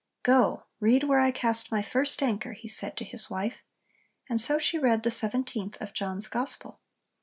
'Go, read where I cast my first anchor!' he said to his wife. 'And so she read the seventeenth of John's Gospel.'